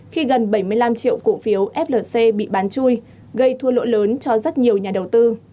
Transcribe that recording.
khi gần bảy mươi năm triệu cổ phiếu flc bị bán chui gây thua lỗ lớn cho rất nhiều nhà đầu tư